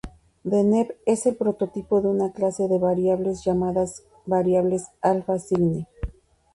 Deneb es el prototipo de una clase de variables llamadas variables Alfa Cygni.